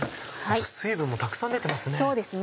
水分もたくさん出てますね。